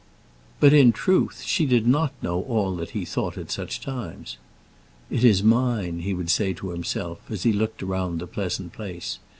But, in truth, she did not know all that he thought at such times. "It is mine," he would say to himself, as he looked around on the pleasant place.